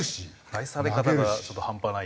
愛され方がちょっと半端ないですね。